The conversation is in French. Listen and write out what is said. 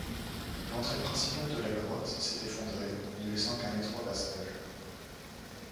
L'entrée principale de la grotte, s'est effondré, ne laissant qu'un étroit passage.